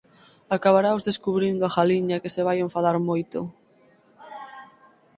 Acabaraos descubrindo a Galiña que se vai enfadar moito.